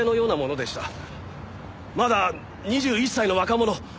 まだ２１歳の若者。